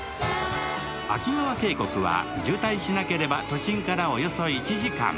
秋川渓谷は渋滞しなければ都心からおよそ１時間。